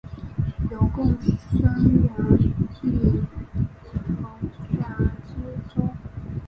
由贡生援例候选知州。